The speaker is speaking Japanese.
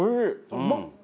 うまっ！